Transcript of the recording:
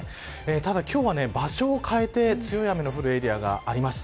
ただ今日は場所を変えて強い雨の降るエリアがあります。